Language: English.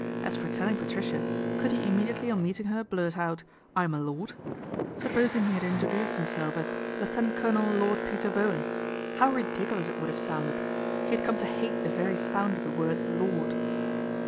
As for telling Patricia, could he immediately on meeting her blurt out, " I'm a lord ?" Supposing he had introduced himself as " Lieutenant Colonel Lord Peter Bowen." Hox* xo8 PATRICIA BRENT, SPINSTER ridiculous it would have sounded He had corne to hate the very sound of the word " lord."